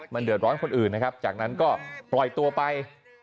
มันเดือดร้อนคนอื่นนะครับจากนั้นก็ปล่อยตัวไป